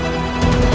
terima kasih cacing